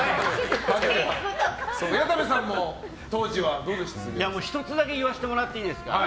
谷田部さんも１つだけ言わせてもらっていいですか。